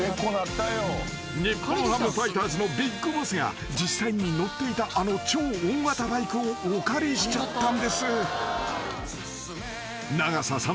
［日本ハムファイターズのＢＩＧＢＯＳＳが実際に乗っていたあの超大型バイクをお借りしちゃったんです］［長さ３ｍ。